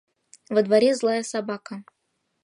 Во дворе злая собака».